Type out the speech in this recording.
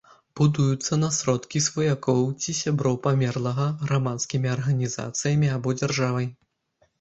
Будуюцца на сродкі сваякоў ці сяброў памерлага, грамадскімі арганізацыямі або дзяржавай.